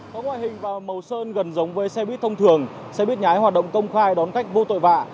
có ngoại hình và màu sơn gần giống với xe buýt thông thường xe buýt nhái hoạt động công khai đón khách vô tội vạ